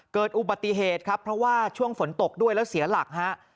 เกิดอุบัติเหตุครับเพราะว่าช่วงฝนตกด้วยแล้วเสียหลักฮะ